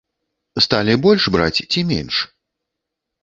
Сталі больш браць ці менш?